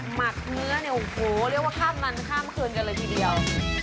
หมัดเนื้อเรียกว่าข้ามมันข้ามเกินกันเลยทีเดียว